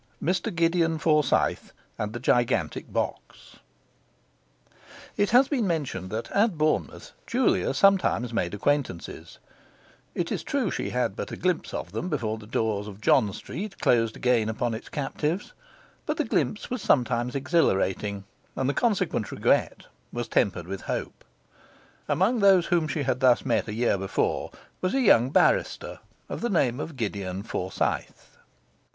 Mr Gideon Forsyth and the Gigantic Box It has been mentioned that at Bournemouth Julia sometimes made acquaintances; it is true she had but a glimpse of them before the doors of John Street closed again upon its captives, but the glimpse was sometimes exhilarating, and the consequent regret was tempered with hope. Among those whom she had thus met a year before was a young barrister of the name of Gideon Forsyth.